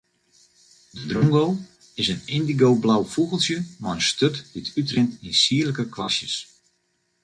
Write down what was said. De drongo is in yndigoblau fûgeltsje mei in sturt dy't útrint yn sierlike kwastjes.